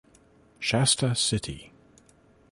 Shasta City.